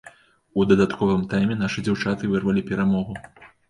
У дадатковым тайме нашы дзяўчаты вырвалі перамогу.